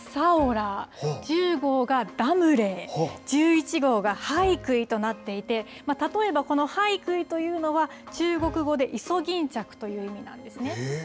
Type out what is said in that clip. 現在の台風は、９号がサオラー、１０号がダムレイ、１１号がハイクイとなっていて、例えばこのハイクイというのは、中国語でイソギンチャクという意味なんですね。